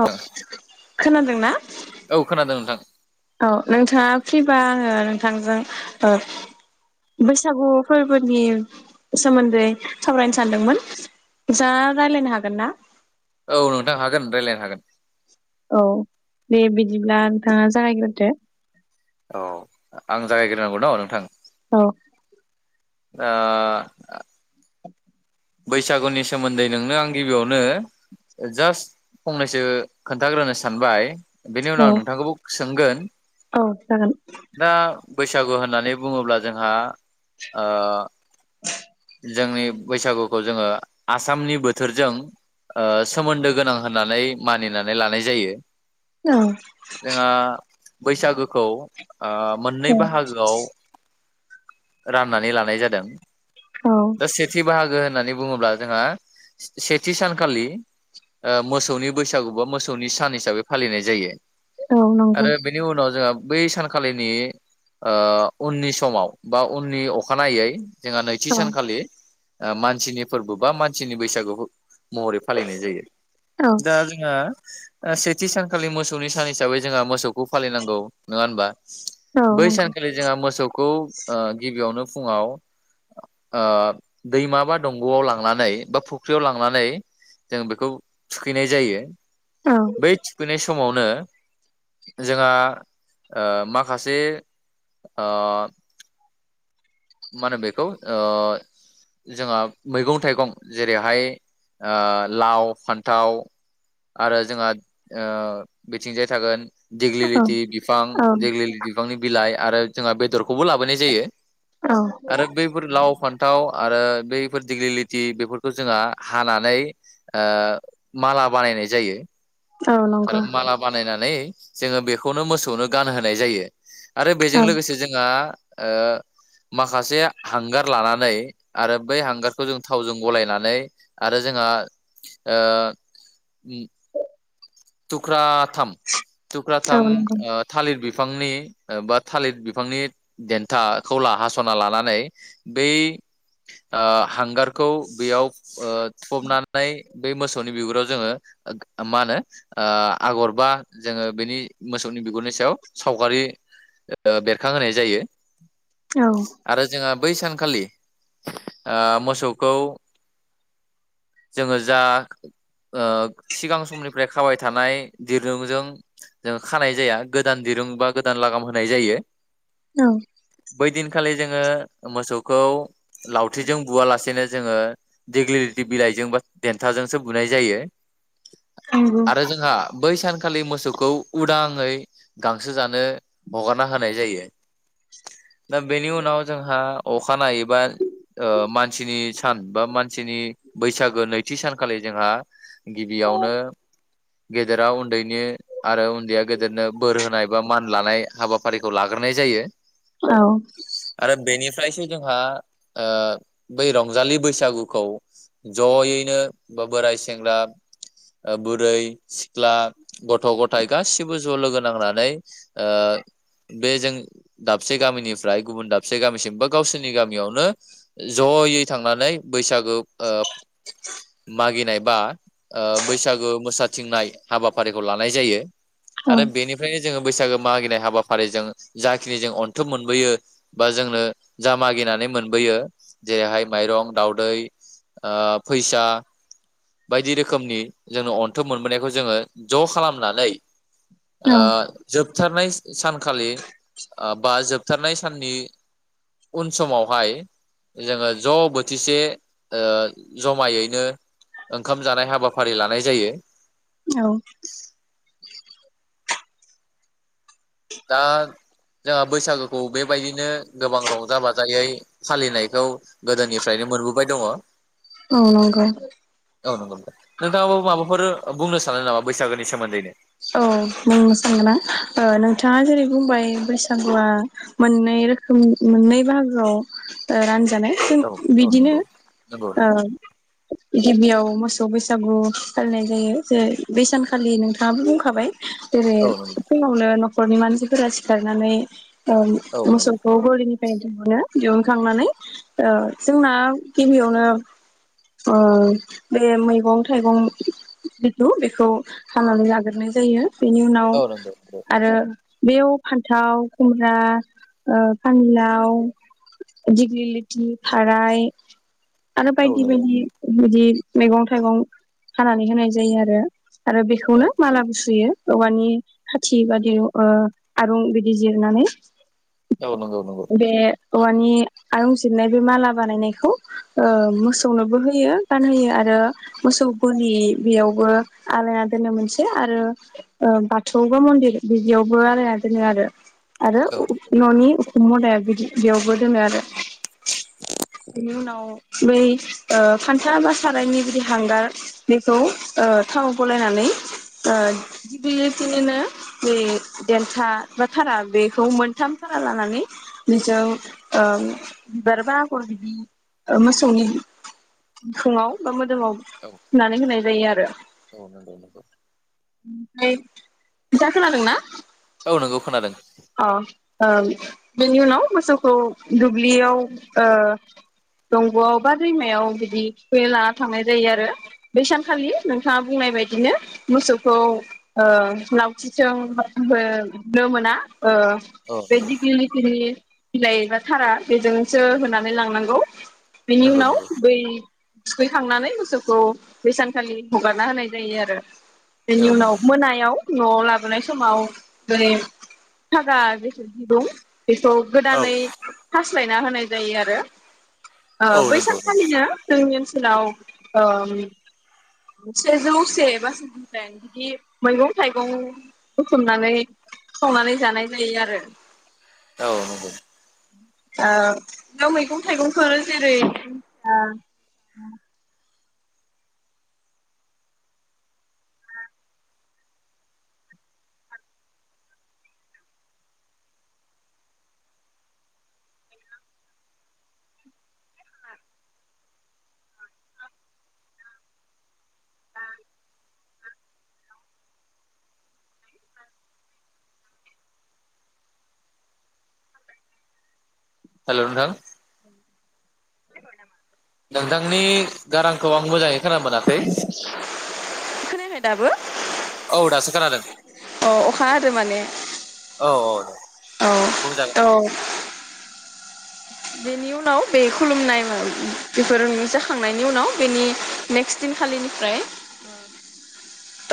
अ खोनादों ना औ खोनादों नोंथां औ नोंथांङा फ्रिबा आंङो नोंथांजों ओ बैसागु फोरबोनि सोमोन्दै सावरायनो सानदोंमोन नोथांङा रायलायनो हागोन ना? औ नोंथां हागोन रायलायनो हागोन। औ दे बिदिब्ला नोंथांङा जागायग्रोदो। औ आं जागायग्रोनांगौ न नोंथां औ ओ बैसागुनि सोमोन्दै नोंनो आं गिबियावनो जास्ट फंनैसो खोन्थाग्रोनो सानबाय। बेनि उनाव औ नोंथांखौबो सोंगोन औ जागोन दा बैसागु होननानै बुंङोब्ला जोंहा ओ जोंनि बैसागु खौ जोंङो आसामनि बोथोरजों ओ सोमोन्दो गोनां होननानै मानिनानै लानाय जायो। औ जोंहा बैसागोखौ ओ मोननै बाहागोआव राननानै लानाय जादों औ दा सेथि बाहागो होननानै बुङोब्ला जोंहा सेथि सानखालि मोसौनि बैसागु बा मोसौनि सान हिसाबै फालिनाय जायो औ आरो नंगौ बेनि उनाव जोंहा बै सानखालिनि ओ उननि समाव बा उननि अखानायै जोंहा नैथि औ सानखालि ओ मान नसिनि फोरबो बा मानसिनि बैसागु महरै फालिनाय जायो औ दा जोंहा सेथि सानखालि मोसौनि सान हिसाबै जोंहा मोसौखौ फालिनांगौ नङा होमबा औ बै नंगौ सानखालि जोंहा मोसौखौ ओ गिबियावनो फुंआव ओ दैमा बा दंग'आव लांनानै बा फुख्रियाव लांनानै जों बेखौ थुखैनाय जायो औ बै थुखैनाय समावनो जोंहा ओ माखासे ओ मा होनो बेखौ ओ जोंहा मैगं थाइगं जेरैहाय ओ लाव फान्थाव आरो जोंहा ओ बिथिंजाय थागोन औ देग्लिलिथि बिफां औ देग्लिलिथि बिफांनि बिलाइ आरो जोंहा बेदरखौबो लाबोनाय जायो औ नंगौ आरो बैफोर लाव फान्थाव आरो बैफोर दिग्लिलिथि बेफोरखौ जोंहा हानानै ओ माला बानायनाय जायो औ आरो नंगौ माला बानायनानै जोङो बेखौनो मोसौनो गानहोनाय जायो। आरो बेजों औ लोगोसे जोंहा ओ माखासे हांगार लानानै आरो बै हांगारखौ जों थावजों गलायनानै आरो जोंहा टुक्रा टुका् औ टुका्थाम नंगौ थालिर बिफां बिफांनि बा थालिर बिफांनि देन्थाखौ ला हास'ना लानानै बै ओ हांगारखौ बेयाव ओ थबनानै बे मोसौनि बिगुराव जोङो मा होनो आगरबा जोङो बेनि मोसौनि बिगुरनि सायाव सावगारि बेरखांहोनाय जायो। औ आरो जोंहा बै सानखालि ओ मोसौखौ जोङो जा ओ सिगां समनिफ्राय खाबाय थानाय दिरुंजों जों खानाय जाया गोदान दिरुं बा गोदान लागाम होनाय जायो। औ बै दिनखालि जोङो मोसौखौ लावथिजों बुवालासेनो जोङोे देग्लिलिथि बिलाइजों बा देन्थाजोंसो बुनाय जायो। आरो जोंहा बै सान ऐदिन खालि मोसौखौ उदाङै गांसो जानो हगारना होनाय जायो। दा बेनि उनाव जोंहा अखानायैबा ओ मानसिनि सान बा मानसिनि बैसागो नैथि सानखालि जोंहा गिबियावनो गेदेरा उन्दैनि आरो उन्दैया गेदेरनो बोर होनाय बा मान लानाय हाबाफारिखौ लाग्रोनाय जायो। औ आरो बेनि फ्रायसो जोंहा ओ बै रंजालि बैसागुखौ ज'यैनो बा बोराय सेंग्रा बुरै सिख्ला गथ' गथाय गासिबो ज' लोगो नांनानै ओ बे जों दाबसे गामिनिफ्राय गुबुन दाबसे गामिसिम बा गावसोरनि गामियावनो ज'यै थांनानै बैसागो ओ मागिनाय बा ओ बैसागु मोसाथिंनाय हाबाफारिखौ लानाय जायो। आरो बेनिफ्राय जोङो बैसागो मागिनाय हाबाफारिजों जाखिनि जों अनथुम मोनबोयो बा जोंनो जा मागिनानै मोनबोयो जेरैहाय माइरं दावदै ओ फैसा बायदि रोखोमनि जोंनो अन्थोब मोनबोनायखौ जोङो ज' खालामनानै ओ जोपथारनाय सानखालि बा जोबथारनाय साननि उन समावहाय जोङो ज' बोथिसे ओ जमायैनो ओंखाम जानाय हाबाफारि लानाय जायो। औ दा जोंहा बैसागोखौ बेबायदिनो गोबां रंजा बाजायै फालिनायखौ गोदोनिफ्रायनो मोनबोबाय दङ। औ औ नंगौ नोंगौ नोंथां। नोंथाङा माबाफोर बुंनो सानो नामा बैसागोनि सोमोन्दैनो औ बुंनो सानगोना ओ नोंथाङा जेरै बुंबाय बैसागुआ मोननै रोखोम मोननै बाहागो आव रा नाजानाय औ औ बिदिनो नंगौ नंगौ ओ नंगौ गिबियाव मोसौ मोसौ बैसागु फालिनाय जायो जेरै बै सानखालिनो नोंथाङाबो बुंखाबाय। जेरै औ नंगौ फुंआवनो न' न'खरनि मानसिफोरा सिखारनानै औ मोसौखौ गलिनि फ्राय दिहुनो दिहुनखांनानै ओ जोंना गिबियावनो ओ बे मैगं थाइगं जिथु बेखौ खानानै लाग्रोनाय जायो। बेनि उनाव औ नंगौ नंगौ आरो बेयाव फान्थाव खुम्रा ओ फानिलाव दिग्लिलिथि थाराय आरो औ बायदि नंगौ बायदि बिदि मैगं थाइगं खानानै होनाय जायो आरो आरो औ बेखौनो मालाबो सुयो। औवानि खाथि बादि ओ आरं बिदि जिरनानै औ नंगौ नंगौ। बे औवानि आयंजिरनाय बे माला बानायनायखौ ओ मोसौनोबो होयो गानहोयो आरो मोसौ गलि बेयावबो आलायना दोनो मोनसे आरो ओ बाथौ बा मन्दिर बिदियावबो आलायना दोनो आरो। आरो औ ननि उखुम मुदायावबो बिदि बेयावबो दोनो आरो। बेनि उनाव बै ओ फान्था बा सारायनि बिदि हांगार बेखौ ओ थाव गलाय खानानै ओ दिग्लिलिथिनिनो जे देनथा‌ बा थारा बेखौ मोनथाम खाना लानानै बिजों ओ बिबारबा आगर बिदि मोसौनि बिखुंआव बा मोदोमआव औ थुनानै होनाय जायो आरो। औ नंगौ नंगौ। ओमफ्राय नोंथाङा खोनादोंना? औ नोंगौ खोनादों। अ ओ बेनि उनाव मोसौखौ दुब्लियाव ओ दंग'आव बा दैमायाव बिदि थुखैनो लाना थांनाय जायो आरो बेै सानखालि नोंथाङा बुंनाय बदिनो मोसौखौ ओ लावथिजों बुंनो मोना। ओ औ बे दिग्लिलिथिनि बिलाइ बा थरा बेजोंसो होनानै लांनांगौ। बेनि नंगौ नंगौ उनाव बै थुखैखांनानै मोसौखौ बे सानखालि हगारना होनाय जायो आरो। बेनि औ उनाव नंगौ मोनायाव न'आव लाबोनाय समाव दै थागा बे दं। बेखौ औ गोदानै खासि सोलायना होनाय जायो आरो। ओ औ नंगौ नंगौ बैसानखालिनो जोंनि ओन उनाव ओ सेजौ से बा जौसे नि बिदि मैगं-थाइगं बुथुमनानै संनानै जानाय जायो आरो औ नंगौ। ओ मैगं थाइगंफोर जेरै ओ हेलौ नोंथां? [unintelligible] नोंथांनि गारांखौ आं मोजाङै खोना मोनाखै खोनायाखै दाबो औ दासो खोनादों अ अखा हादो माने औ औ। औ बुंजागोन त' बेनि उनाव बे खुलुमनाय बेफोर जाखांनायनि उनाव बेनि नेक्स्ट दिनखालिनिफ्राय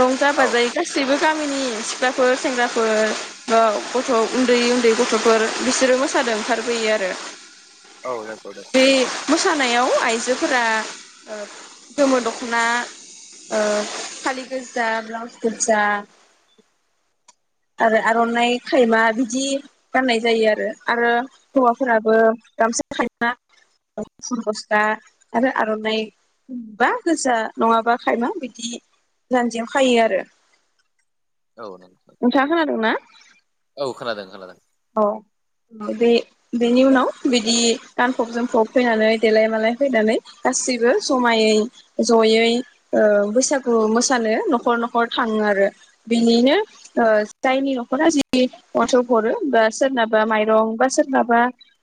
रंजा बाजायो गासिबो गामिनि सिख्लाफोर सेंग्राफोर ओ गथ' उन्दै उन्दै गथ'फोर बिसोरो मोसादों ओंखारबोयो आरो। औ नंगौ नंगौ। बे मोसानायाव आइजोफोरा गोमो दख'ना ओ फालि गोजा ब्लाउस गोजा आरो आर'नाइ खायमा बिदि गाननाय जायो आरो। आरो हौवाफोराबो गामसा खायमा फुर गस्ला आरो आर'नाइ बा गोजा नङाबा खायमा बिदि जान्जियाव खायो आरो। औ। नोंथाङा खोनादोंना? औ खोनादों खोनादों। बे बेनि उनाव बिदि गानफब जोमफब फैनानै देलाय मालाय फैनानै गासैबो जायै जयै बैसागु मोसानो न'खर न'खर थाङो आरो बिनिनो जायनि न'खरा जि माथौ हरो। होनबा सोरनाबा माइरं बा सोरनाबा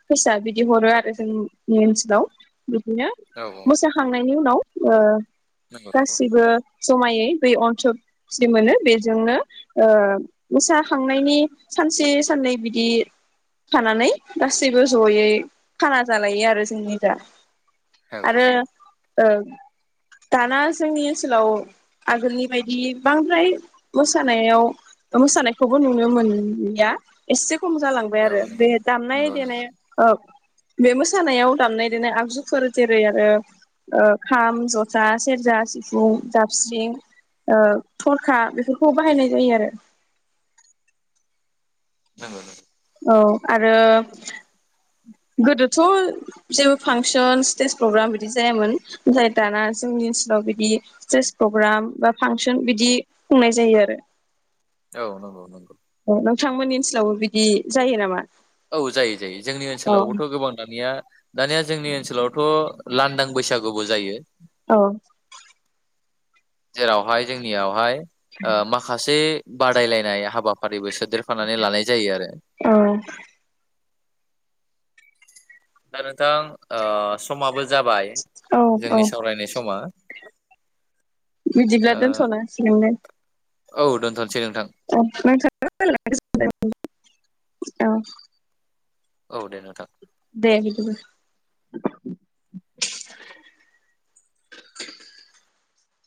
फैसा बिदि हरो आरो जोंनि ओनसोलाव बिदिनो औ मोसाखांनाय नि उनाव ओ नंगौ नंगौ गासिबो जमायै बे अनस जि मोनो बेजोंनो ओ मोसाखांनायनि सानसे साननै बिदि थानानै गासैबो ज'यै खाना जालायो आरो जोंनि दा औ आरो दाना जोंनि ओनसोलाव आगोलनि बायदि बांद्राय मोसानायाव मोसानायखौबो नुनो मोनलिया। एसे खम जालांबाय आरो नंगौ बे दामनाय नंगौ नंगौ देनाया औ बे मोसानायाव दामनाय देनाय आगजुफोर जेरै आरो खाम जथा सेरजा सिफुं दाबस्रिं थरखा बेफोरखौ बाहायनाय जायो आरो। नंगौ। औ आरो गोदोथ' जेबो फांसन स्टेज प्रग्राम बिदि जायामोन ओमफ्राय दाना जोंनि ओनसोलाव बिदि स्टेज प्रग्राम बा फांसन बिदि खुंनाय जायो आरो। औ नंगौ नंगौ। औ नोंथांमोननि ओनसोलावबो बिदि जायो नामा? औ जायो जायो जोंनि औ ओनसोलावबोथ' गोबां दानिया। दानिया जोंनि ओनसोलावथ' लांदां बैसागुबो जायो। औ। जेरावहाय जोंनियावहाय। माखासे बादायलायनाय हाबा फारिबेस गेदेर फानानै लानाय जायो आरो। औ दा नोंथां ओ। समाबो जाबाय औ जोंनि सावरायनाय समा बिदिब्लाथ' ओ दोनथ'नांसिगोन दे औ दोनथ'। अ [unintelligible] औ औ दे नोंथां। दे बिदिब्ला।